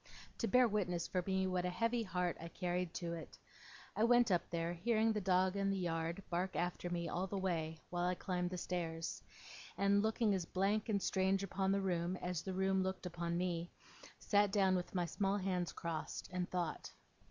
to bear witness for me what a heavy heart I carried to it. I went up there, hearing the dog in the yard bark after me all the way while I climbed the stairs; and, looking as blank and strange upon the room as the room looked upon me, sat down with my small hands crossed, and thought.